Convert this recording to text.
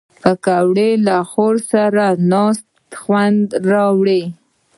پکورې له خور سره ناستې خوند راولي